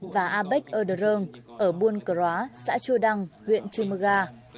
và a bek er đơ rơng ở buôn cửa róa xã chua đăng huyện chư mưa ga